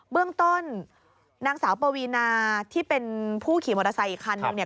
เบื้องต้นนางสาวปวีนาที่เป็นผู้ขี่มอเตอร์ไซค์อีกคันนึงเนี่ย